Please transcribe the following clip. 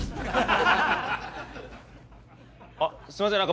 あっすいません。